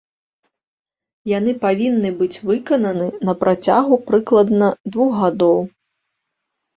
Яны павінны быць выкананы на працягу прыкладна двух гадоў.